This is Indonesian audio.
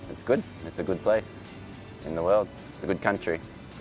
ini tempat yang bagus di dunia